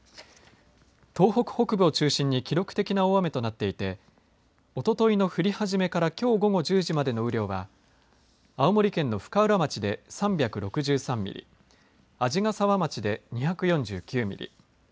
東北北部を中心に記録的な大雨となっていておとといの降り始めからきょう午後１０時までの雨量は青森県の深浦町で３６３ミリ鰺ヶ沢町で２４９ミリ